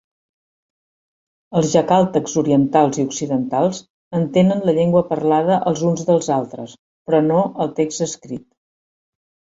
Els jakalteks orientals i occidentals entenen la llengua parlada els uns dels altres, però no el text escrit.